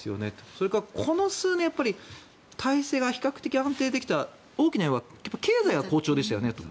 それからこの数年、体制が比較的安定できた大きな要因は経済は好調でしたよねと。